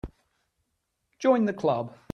Join the Club.